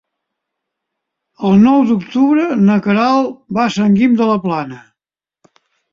El nou d'octubre na Queralt va a Sant Guim de la Plana.